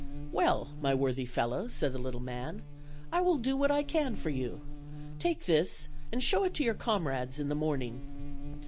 "Well, my worthy fellow," said the little man, "I will do what I can for you; take this and show it to your comrades in the morning."